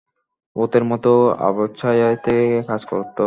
ভূতের মতো আবছায়ায় থেকে কাজ করত।